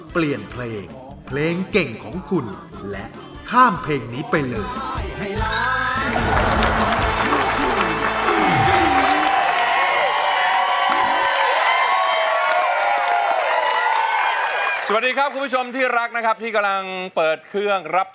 เปลี่ยนเพลงเพลงเก่งของคุณและข้ามเพลงนี้ไปเลย